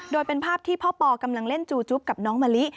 โดยเป็นภาพที่พ่อปอกำลังเล่นจูจุ๊บกับน้องมะลิ